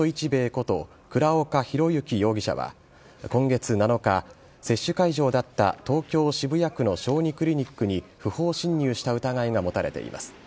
こと倉岡宏行容疑者は今月７日、接種会場だった東京・渋谷区の小児クリニックに不法侵入した疑いが持たれています。